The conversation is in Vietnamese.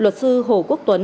luật sư hồ quốc tuấn bảo